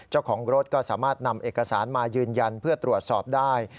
เจ้าของรถก็สามารถนำเอกสารมายืนยันเพื่อตรวจสอบได้